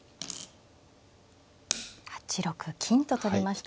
８六金と取りました。